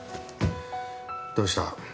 どうした？